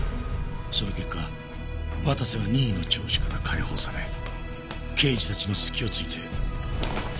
その結果綿瀬は任意の聴取から解放され刑事たちの隙をついて姿を消した。